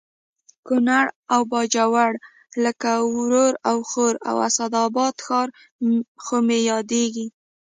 کونړ او باجوړ لکه ورور او خور او اسداباد ښار خو مې یادېږي